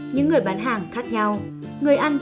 những người bán hàng khác nhau